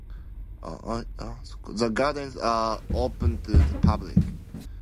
The gardens are open to the public.